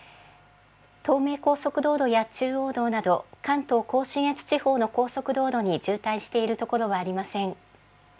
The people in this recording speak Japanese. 東名高速道路や中央道など、関東甲信越地方の高速道路に渋滞している所はありません。